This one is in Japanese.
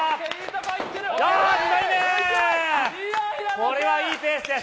これはいいペースです。